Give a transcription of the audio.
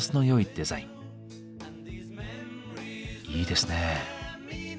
いいですね。